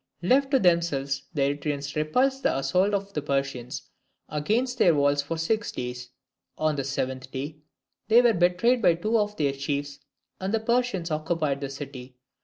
Left to themselves, the Eretrians repulsed the assaults of the Persians against their walls for six days; on the seventh day they were betrayed by two of their chiefs and the Persians occupied the city.